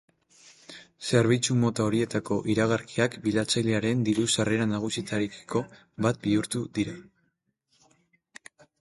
Zerbitzu mota horietako iragarkiak bilatzailearen diru-sarrera nagusienetariko bat bihurtu dira.